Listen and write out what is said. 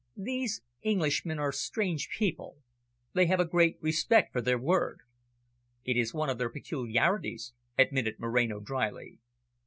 "These Englishmen are strange people; they have a great respect for their word." "It is one of their peculiarities," admitted Moreno drily.